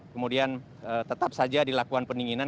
kemudian tetap saja dilakukan pendinginan